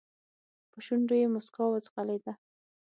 په شونډو يې موسکا وځغلېده.